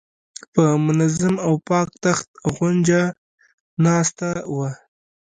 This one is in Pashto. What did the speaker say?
په منظم او پاک تخت غونجه ناسته وه.